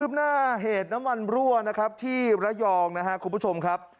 หน้าเหตุน้ำมันรั่วนะครับที่ระยองนะครับคุณผู้ชมครับ